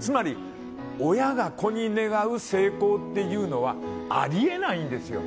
つまり、親が子に願う成功っていうのはあり得ないんですよ。